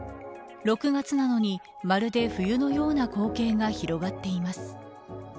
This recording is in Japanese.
６月なのに、まるで冬のような光景が広がっています。